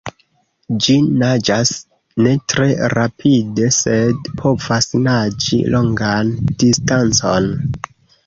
Ĝi naĝas ne tre rapide, sed povas naĝi longan distancon.